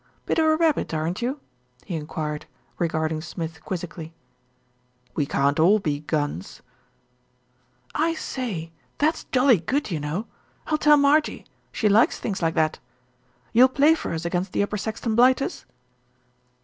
"Bit of a rabbit, aren't you?" he enquired, regard ing Smith quizzically. "We can't all be Gunns." "I say, that's jolly good, you know. I'll tell Marjie. She likes things like that. You'll play for us against the Upper Saxton blighters?"